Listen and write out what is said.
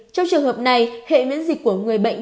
trong trường hợp này hệ miễn dịch của người bệnh